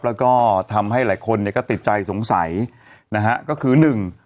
แล้วก็ทำให้หลายคนเนี่ยก็ติดใจสงสัยนะฮะก็คือหนึ่ง